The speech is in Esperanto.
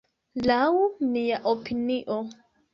Laŭ mia opinio.